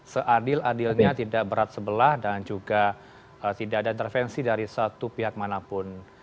seadil adilnya tidak berat sebelah dan juga tidak ada intervensi dari satu pihak manapun